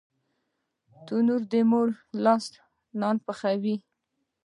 تنور د مور لاس نان پخوي